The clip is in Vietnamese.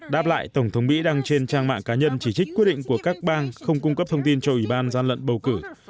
đáp lại tổng thống mỹ đăng trên trang mạng cá nhân chỉ trích quyết định của các bang không cung cấp thông tin cho ủy ban gian lận bầu cử